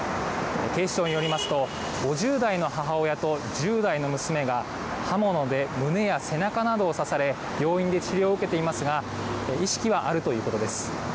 警視庁によりますと５０代の母親と１０代の娘が刃物で胸や背中などを刺され病院で治療を受けていますが意識はあるということです。